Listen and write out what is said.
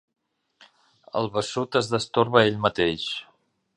El vessut es destorba ell mateix.